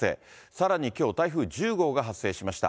さらにきょう、台風１０号が発生しました。